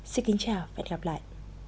xin kính chào và hẹn gặp lại